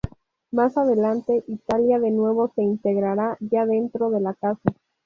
Más adelante, Italia de Nuevo se integrara ya dentro de la Casa.